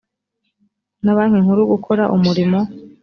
na banki nkuru gukora umurimo